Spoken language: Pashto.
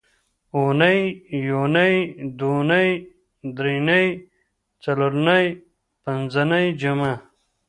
اونۍ، یونۍ، دونۍ، درېنۍ، څلورنۍ، پینځنۍ، جمعه